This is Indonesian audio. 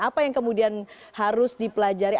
apa yang kemudian harus dipelajari